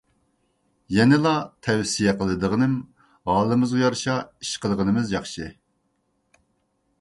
يەنىلا تەۋسىيە قىلىدىغىنىم، ھالىمىزغا يارىشا ئىش قىلغىنىمىز ياخشى.